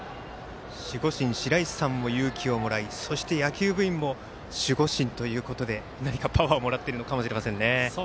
守護神、しらいしさんも勇気をもらいそして、野球部員も守護神ということで何かパワーをもらっているのかもしれませんね。